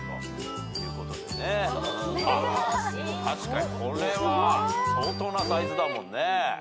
確かにこれは相当なサイズだもんね。